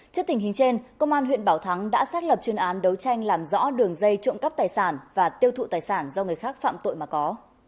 trước tình hình trên công an huyện bảo thắng đã xác lập chuyên án đấu tranh làm rõ đường dây trộm cắp tài sản và tiêu thụ tài sản do người khác phạm tội mà có